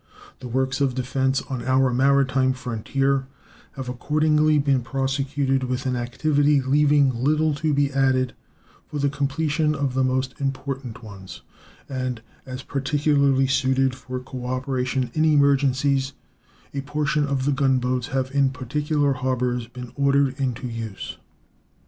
The works of defense on our maritime frontier have accordingly been prosecuted with an activity leaving little to be added for the completion of the most important ones, and, as particularly suited for cooperation in emergencies, a portion of the gun boats have in particular harbors been ordered into use.